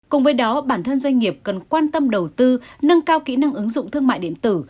cùng với đó bản thân doanh nghiệp cần quan tâm đầu tư nâng cao kỹ năng ứng dụng thương mại điện tử